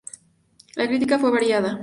La crítica fue variada.